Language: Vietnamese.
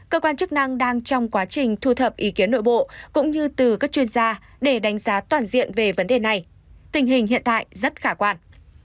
cơ quan chức năng đang trong quá trình thu thập ý kiến nội bộ cũng như từ các chuyên gia để đánh giá toàn diện về vấn đề này tình hình hiện tại rất khả quan